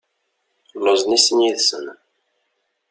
Lluẓen i sin yid-sen.